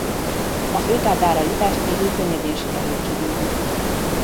A főtáblára jutást végül könnyedén sikerült kivívni.